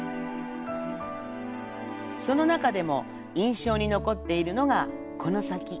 その中でも印象に残っているのがこの先。